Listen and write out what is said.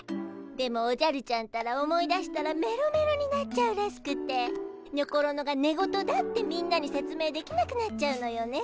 でもおじゃるちゃんったら思い出したらメロメロになっちゃうらしくてにょころのが寝言だってみんなに説明できなくなっちゃうのよね。